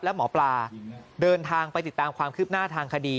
และหมอปลาเดินทางไปติดตามความคืบหน้าทางคดี